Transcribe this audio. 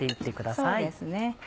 そうですね。